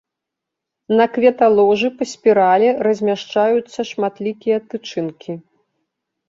На кветаложы па спіралі размяшчаюцца шматлікія тычынкі.